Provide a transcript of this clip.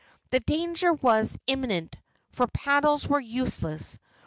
The danger was imminent, for paddles were useless.